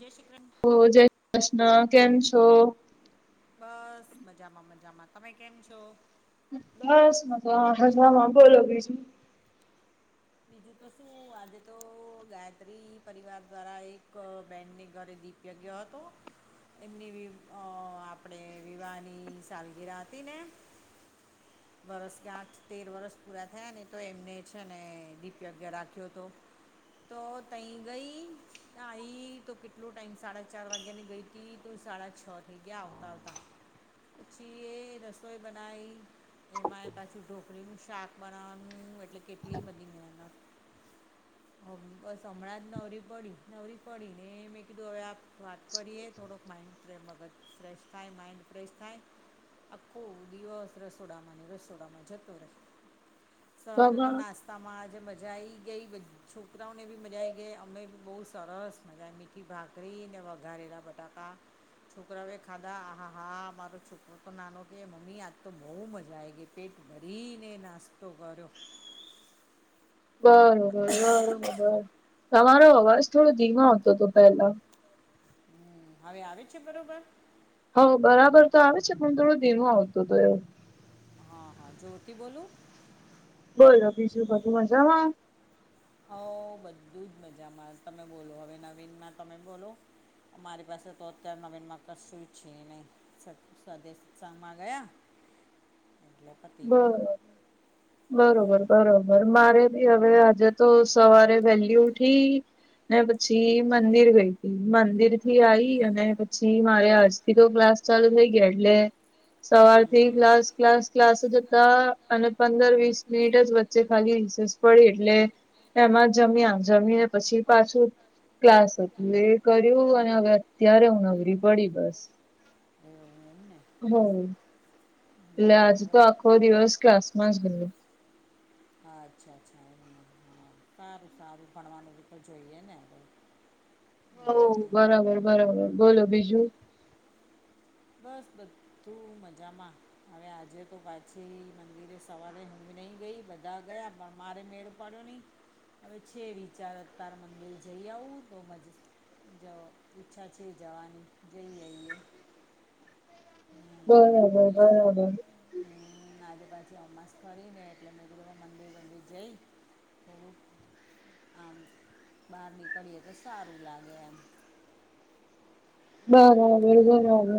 જે શ્રી કૃષ્ણ ઓ જય કૃષ્ણ કેમ છો? બસ મજામાં મજામાં તમે કેમ છો બસ મજામાં મજામાં બોલો બીજું બીજું તો શું આજે તો ગાયત્રી પરિવાર દ્વારા એક બેન ના ઘરે દી યજ્ઞ હતો એમની વિવ અ આપણે વિવાહની સાલગીરા હતી ને વરસ ગાઠ તેર વરસ પૂરા થયા ને તો એમને છે ને દીપ યગ્ય રાખ્યો હતો તો તહી ગઈ નાઈ તો કેટલો ટાઈમ સાડા ચાર વાગ્યા ની ગઈ હતી તો સાડા છ થઈ ગયા આવતા આવતા પછી એ રસોઈ બનાઈ એમાં એ પાછું ઢોકળીનું શાક બનાવવાનું એટલે કેટલીય બધી મહેનત હ બસ હમણાં જ નવરી પડી નવરી પડી ને એ મેં કીધું હવે આપ વાત કરીએ થોડોક માઈન્ડ જે મગજ ફ્રેશ થાય માઇન્ડ ફ્રેશ થાય આખું દિવસ રસોડામાં ને રસોડામાં જતો રહે સવારે તમા તો નાસ્તામાં જ જે મજા આવી ગઈ બધી છોકરાઓને બી મજા આવી ગઈ અમે બી બહુ સરસ મજા મિત આખી ભાકરી ને વઘારેલા બટાકા છોકરાઓ ખાધા હા હા મારો છોક તો નાનો કહે મમ્મી આજ તો બહુ મજા આવી ગઈ પેટ ભરીને નાસ્તો કર્યો. બરોબર બરોબર બરોબર તમારો અવાજ થોડો ધીમો આવતો હતો પેલા હમ્મ હવે આવે છે બરોબર. હઓ બરાબર તો આવે છે પણ થોડો ધીમો આવતો હતો એવુ હા હા જોરથી બોલું બોલો બીજું બધું મજામાં હઓ બધું જ મજામાં તમે બોલો હવે નવીનમાં તમે બોલો. અમારી પાસે તો અત્યારે નવીનમાં કશું છે નહીં. સ સ્વદેશ સાં ગમાં ગયા. એટલે પતી બ ગયું બરોબર. હમ બરોબર મારે ભી હવે આજે તો સવારે વહેલી ઉઠી ને પછી મંદિર ગઈ તી મંદિર થી આઈ અને પછી મારે આજ કીધું ક્લાસ ચાલુ થઈ ગયા એટલે સવારથી ક્લાસ ક્લાસ ક્લાસ તો જતા અને પંદર વીસ મિનિટ જ વચ્ચે ખાલી રીસેસ પડી એટલે એમાં જમીયા જમીને પછી પાછું ક્લાસ હતું એ કર્યું અને હવે અત્યારે હું નવરી પડી બસ. એવું એમ ને હમ્મ. એટલે આજ હમ તો આખો દિવસ ક્લાસ માં જ ગયો. હા અચ્છા અચ્છા એ સારું સારું ભણવાનું બી જોઈએ ને. હઓ હમ બરાબર બરાબર બોલો બીજું બસ બધું મજામાં હવે આજે તો પાછી મંદિરે સવારે હું એ નહી ગઈ બધા ગયા પણ મારે મેળ પડયો નહી હવે છે વિચાર અતાર મંદિર જઈ આવું તો મજા જ ઇચ્છા છે જવાની તો જઈ આઈયે. બરાબ બરાબર હમ્મ આજે પાછી અમાસ કરીને એટલે મે કીધું મંદિર વંદિર જઈ આમ બહાર નીકળીયે તો સારું લાગે એમ હ [inaudible] બરાબર બરાબર.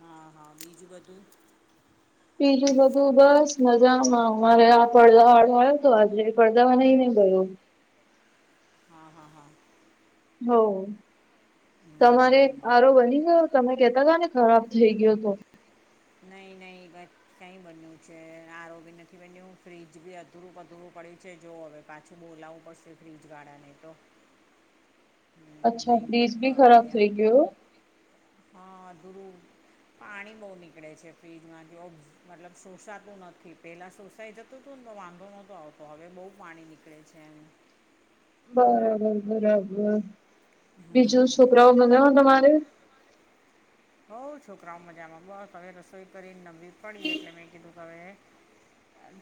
હા હા બીજું બધું બીજું બધું બસ મજામાં મારે આ પડદા વાડો આવયો તો આજે પડદાવા નઈ ને ગયો. હા હા હા. હવ તમારે હમ આરો બની ગયો તમે કેતા હતા ને ખરાબ થઈ ગયો તો. નઈ નઈ ભાઈ. કઈ બન્યું છે આરો બી નથી બન્યું ફ્રીજ બી અધરું પધુરું પડ્યું છે જો હવે. પાછું બોલાવવું પડશે ફ્રીજવાળાને તો. હમ, અચ્છા નહીં ફ્રીજ મેળ ભી ખરાબ થઈ ગયું એવું. હ અધૂરું પાણી બહુ નીકળે છે ફ્રીજમાં જે મતલબ શોષાતું નથી પેલા શોષાઈ જતું. તું તો વાંધો નહોતો આવતો હવે બહુ પાણી નીકળે છે એમ બરાબર બરાબર બીજું હમ છોકરાઓ મજા માં તમારે. હવ છોકરાઓ મજામાં બસ હવે રસોઈ કરીને નવરી પડી એટલે મેં કીધું હવે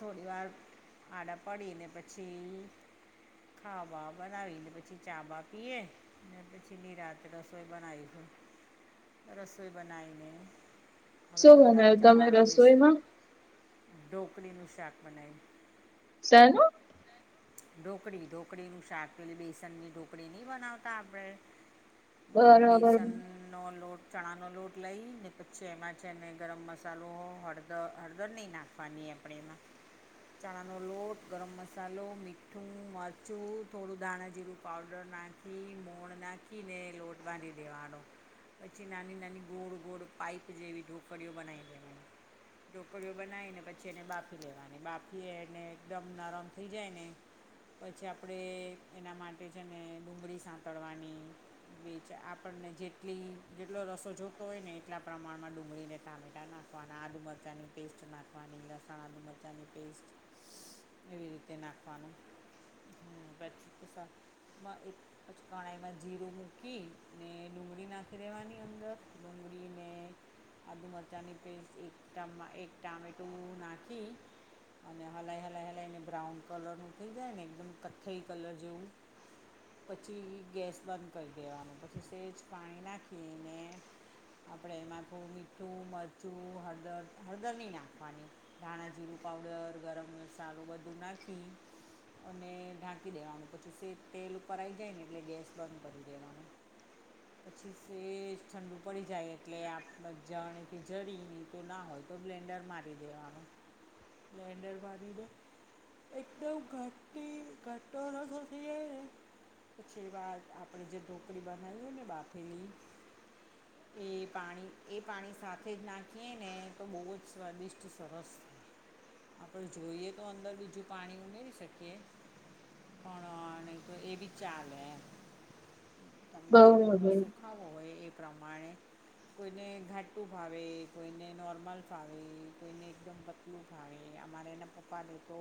થોડી વાર આડા પડી ને પછી ખાવા બાવા બનાવીને પછી ચા બા પીએ. ને પછી નિરાંતે રસોઈ બનાવીશું. રસોઈ બનાવીને હવે શું બધાને બનાવ્યું તમે જમાડવા બેસી રસોઈમાં ઢોકળી નું શાક બનાયું. શેનું. હ [inaudible] ઢોકળી ઢોકળીનું શાક પેલી બેસનની ઢોકળી નહી બનાવતા આપણે બરાબર બેસન નો લોટ ચણાનો લોટ લય ને પછી એમાં છે ને ગરમ મસાલો હળદર હળદર નહીં નાખ, નાખવાની આપણે એમાં, ચણાનો લોટ ગરમ મસાલો મીઠું મરચું થોડું દાણા જીરું પાવડર, નાખીને, મોણ નાખીને લોટ બાંધ દેવાનો, પછી નાની નાની ગોળ ગોળ પાઈપ જેવી ઢોકળીઓ બનાવી, ઢોકળીઓ બનાવી ને પછી એને બાફી લેવાની બાફીને એકદમ નરમ થઈ જાય ને, પછી આપણેે એના માટેછે ને ડુંગળી સાતળવાની, બીચ આપણને જેટલી, જેટલો રસો જોતો હોય ને એટલા પ્રમાણમાં ડુંગળીને ટામેટા નાખવાના આદુ મરચાની પેસ્ટ નાખવાની, લસણ આદુ મરચાંની પેસ્ટ એવી રીતે નાખવાનું, હા બચી તો, માં એક કડાય એમાં જીરું મૂકી ને ડુંગળી નાખી, નાખી દેવાની અંદર ડુંગળી ને, આદુ મરચાંની પેસ્ટ એક એક ટામેટું નાખી, અને હલાઈ હલાઈ હલાઈને બ્રાઉન કલર નું થઇ જાય ને એકદમ કથ્થઈ કલર જેવું, પછી ગેસ બંધ કરી દેવાનું પછી સેજ પાણી નાખીને, આપણે એમાં થોડુ મીઠું મરચું હળદર હળદર નહી નાખવાની, ધાણાજીરું પાઉડર ગરમ મસાલો બધું નાખી, અને ઢાંકી દેવાનું પછી સેજ તેલ ઉપર આવી જાય ને એટલે ગેસ બંધ કરી દેવાનું., [inaudible] તે ઠંડુ પડી જાય એટલે આપ ઝારણીથી ઝરી તો ના હોય, તો બ્લેન્ડર મારી દેવાનું બ્લેન્ડર મારી ને, એકદમ ઘાટી ઘાટો રસો થઈ જાય ને, પછી એ બાદ આપડે જે ઢોકળી બનાવી હોય ને બાફેલી, એ પાણી એ પાણી સાથે જ નાખીએ ને તો બોવ જસ્વાદિષ્ટ સરસ, આપડે જોઈએ તો અંદર બીજું પાણી ઉમેરી શકીએ, પણ નહી તો એ બી ચાલે એમ તમને જેટલો બરાબર રસો, ખાવું હોય એ પ્રમાણે, કોઈને ઘાટું ભાવે કોઈને નોર્મલ ભાવે કોઈને એકદમ, બો ભાવે અમારે એના પપ્પાને તો,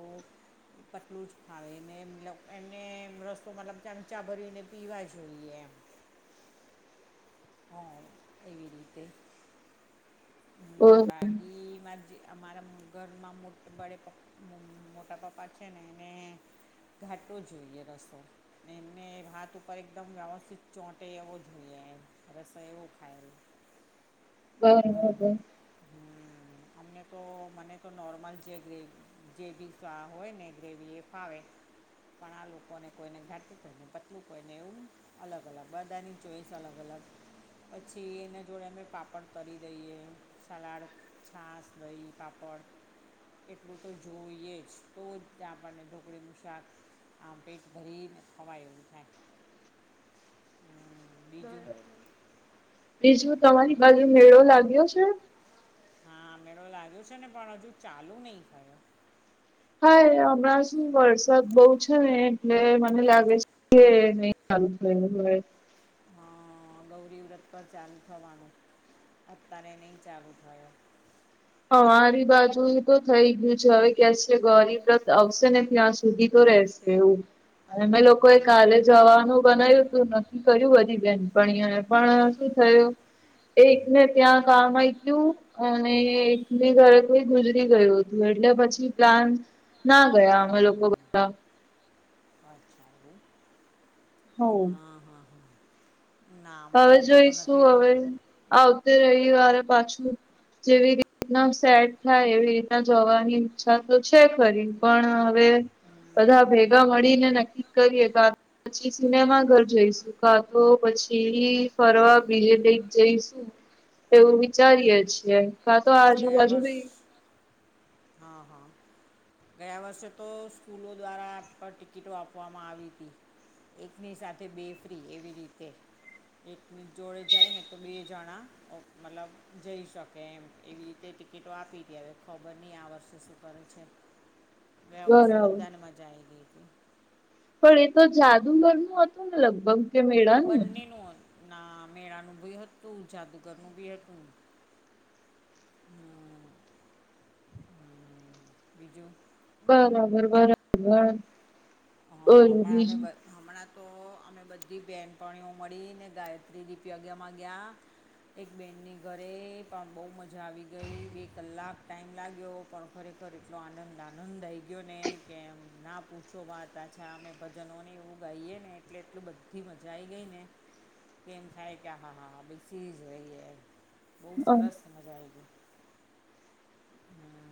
પતલું જ ભાવે એમને એમ મતલબ એમને રસો મતલબ ચમચા ભરીને પીવા જોઈએ એમ, હા એવી રીતે હમ, ઇ મારા જે મારા ઘરમાં મોટું પડે, મોટા પપ્પા છે ને એને ઘાટો જોઈએ રસો, ને એમને ભાત ઉપર એકદમ વ્યવસ્થિત ચોંટે એવો જોઈએ એમ, રસો એવો ખાય, હમ [unintelligible] હમ અમને તો મને તો નોર્મલ જે ગ્રેવી, જેવી હોય ને ગ્રેવી એ ફાવે, પણ આલોકોને કોઈને ઘાટું કોઈ ને પતલું કોઈ ને એવું, - અલગ અલગ બધાની ચોઈસ અલગ અલગ પછી એના જોડે અમે પાપડ, કરી દઈએ સલાડ છાસ દહી પાપડ, એટલું તો જોઈએ જ તો જ ત્યા આપણને ઢોકળીનું શાક, આપડે પેટ ભરીને ખવાય એવું થાય, બીજું હવે બીજું તમારી તમે બાજુ મેળો લાગ્યો છે? હા મેળો લાગ્યો છે ને પણ હજુ ચાલુ નઈ થયો. હા એ હમણાં શું વરસાદ બહુ છે ને એટલે મને લાગે એ નહી ચાલુ થયું હવે. હ.. ગૌરી વ્રત પર ચાલુ થવાનું, અત્યારે નઈ ચાલુ થયો. અમારી બાજુ તો થઈ ગયું છે હવે કે છે ગૌરી વ્રત આવશે ને ત્યાં સુધી તો રહશે. એવું અમે લોકો એ કાલે જવાનું બનાયુતું ન કર્યું બધી બેનપણીઓએ, પણ શું થયું એકને ત્યાં કામ આઈ ગયું અને એક ની ઘરે કોઈ ગુજરી ગયું હતું એટલે પછી પ્લાન ના ગયા અમે લોકો બધા. અચ્છા એમ. હવ. હા હા હા ના હવે અમારે હજુ તો જોઈશું નથી હવે નહીં આવતી રવીવારે પાછું જેવી રીતના સેટ થાય એવી રીતના જવાની ઈચ્છા તો છે ખરી પણ હવે [inaudible] બધા ભેગા મળીને નક્કી કરીએ કા પછી સિનેમા ઘર જઈશું કા તો પછી દિલ્હી ફરવા બીજે કઈ જઈશુ. એવું વિચારીએે છીએ. કા, તો આજુબાજુ બી અ હ.. ગયા વર્ષે તો સ્કૂલો દ્વારા ટિકિટો આપવામાં આવી હતી. એકની સાથે બે ફ્રી એવી રીતે. એકની જોડે જાય ને તો બે જણા મતલબ જઈ શકે એમ. એવી રીતે ટિકિટો આપી ગયા હવે ખબર નહી આ વર્ષે શું કરે છે. ગયા વર્ષે બરાબર બધાને મજા આવી ગઈતી. પણ એ તો જાદુગરનું હતું ને લગભગ? કે મેળાનું બંનેનું હતું ના મેળાનું બી હતું, જાદુગરનું બી હતું. હમ હમ. બીજું? બરાબર બરાબર. હ.. બોલો ના અમે બીજું બધ હમણાં તો અમે બધી બહેનપણીઓ મળી ને ગાયત્રી દીપ યજ્ઞમાં ગયા એક બેનની ઘરે પણ બહુ મજા આવી ગઈ. બે કલાક ટાઈમ લાગ્યો પણ ખરેખર એટલો આનંદ આનંદ આવી ગયો ને કે ના પૂછો વાત. પાછા અમે ભજનો ને એવું ગાઈએ ને એટલે એટલું બધી મજા આવી ગઈ ને કેમ એમ થાય કે આ હા હા બેસી જ રહીએ. બહુ સરસ મજા આયવી. હમ..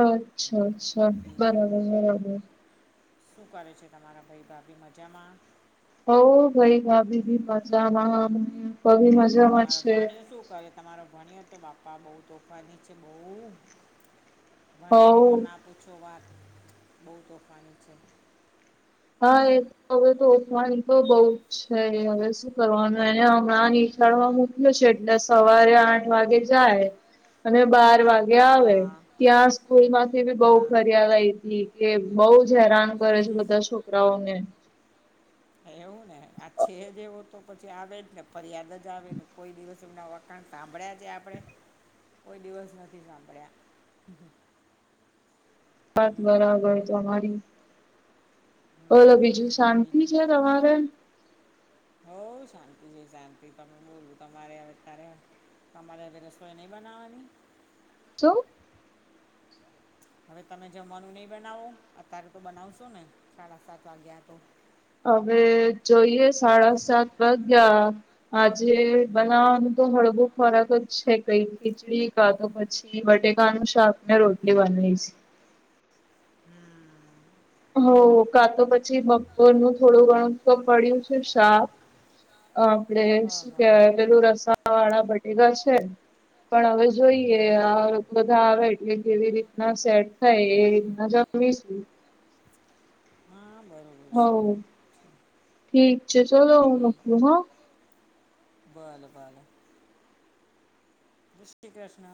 અચ્છા હમ અચ્છા. બીજું બરાબર બરાબર. શું કરે છે તમારા ભઈ ભાભી. મજામાં? હો ભાઈ ભાભી બી મજામાં [unintelligible] મજા તમારો ભાણિયો શું કરે? તમારો ભાણિયો તો બાપા બહુ તોફાની છે બહુ ભાણિયાની તો હો ના પૂછો વાત. બહુ તોફાની છે. હા એ હવે તો તોફાની બહુ જ છે હવે શું કરવાનું. એને હમણાં નિશાળમાં મૂક્ય છે એટલે સવારે આઠ વાગે જાય, અને બાર વાગે ગે આવે. હા ત્યાં સ્કૂલ માંથી બી બહુ હા ફરિયાદ આવીતી કે બહુ જ હેરાન કરે છે બધા છોકરાઓને. એવું ને આ છે જ એવો તો પછી આવે જ ને ફરિયાદ જ આવે કોઈ દિવસ એમ ના હોય વ કંઈ સાંભળ્યા છે આપડે કોઈ દિવસ નથી સાંભળ્યા વાત બરાબર હમ તમારી બોલો બીજું હમ શાંતિ છે તમારે હોઉ શાંતિ છે શાંતિ તમે બોલું તમારે અવે અત્તારે તમારે આજે રસોઈ નઈ બનાવવાની શું? હવે તમે જમવાનું નઈ બનાવો અત્તારે તો બનાવશો ને સાડા સાત વાગ્યા તો અવે જોઈએ સાડા સાત વાગ્યા આજે બનાવાનું તો હળવુ ખોરાક જ છે કકઈ ખીચડી કાં તો પછી બટેકાનું શાક ને રોટલી બનાઈશ હમ હોઉ કાં તો પછી બપોરનું થોડું ઘણુ તો પડ્યું છે શાક આપડે હા શું હા કેવાય પેલું રસાવાળા બટેકા છે પણ અવે જોઈએ આ હમ બધા આવે એટલે કેવી રીતના સેટ થાય એ રીતના જમીશું હાં બરો હોવ ઠીક છે ચલો હું ઠીક મૂકું હં ભલે ભલે [unintelligible] સ્ટી ક્રષ્ણ